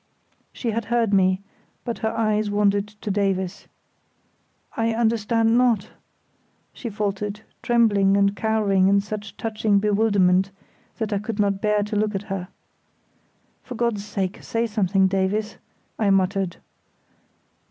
She had heard me, but her eyes wandered to Davies. "I understand not," she faltered, trembling and cowering in such touching bewilderment that I could not bear to look at her. "For God's sake, say something, Davies," I muttered.